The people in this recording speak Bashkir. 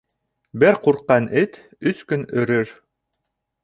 Бер ҡурҡҡан эт өс көн өрөр.